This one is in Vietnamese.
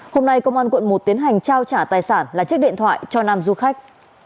hôm nay công an quận một tiến hành trao trả tài sản là chiếc điện thoại cho nam du khách